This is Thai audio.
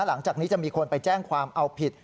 หลังจากนี้จะมีคนไปแจ้งความเอาผิด